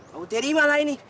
mau terima lah ini